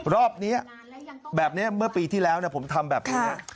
รอบนี้แบบนี้เมื่อปีที่แล้วผมทำแบบนี้